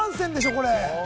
これ。